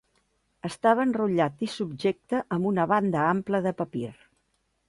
Estava enrotllat i subjecte amb una banda ampla de papir.